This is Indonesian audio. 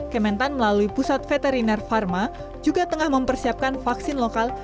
kementan melalui pusat veteriner pharma juga tengah mempersiapkan vaksin lokal